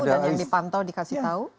dan yang dipantau dikasih tahu